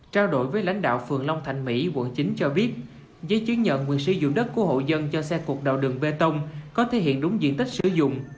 trao đổi với lãnh đạo phường long thạnh mỹ quận chín cho biết giấy chứng nhận quyền sử dụng đất của hộ dân cho xe cuộc đào đường bê tông có thể hiện đúng diện tích sử dụng